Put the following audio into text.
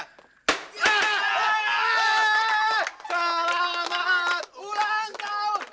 selamat ulang tahun